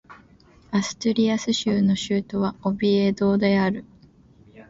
アストゥリアス州の州都はオビエドである